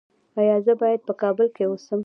ایا زه باید په کابل کې اوسم؟